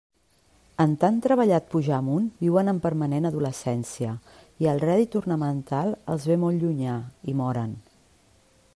En tan treballat pujar amunt viuen en permanent adolescència, i el rèdit ornamental els ve molt llunyà, i moren.